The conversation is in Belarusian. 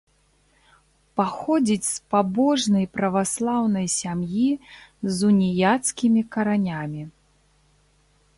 Паходзіць з пабожнай праваслаўнай сям'і з уніяцкімі каранямі.